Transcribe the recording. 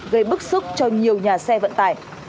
gây bức xúc cho nhiều nhà xe vận tải